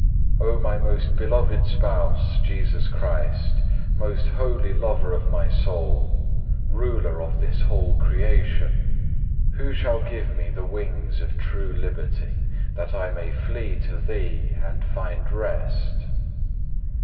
3. O my most beloved Spouse, Jesus Christ, most holy lover of my soul, Ruler of this whole Creation, who shall give me the wings of true liberty, that I may flee to Thee and find rest?